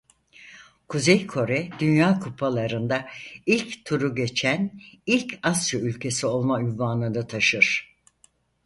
Kuzey Kore Dünya Kupalarında ilk turu geçen ilk Asya ülkesi olma unvanını taşır.